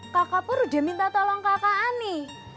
kakak pun udah minta tolong kakak ani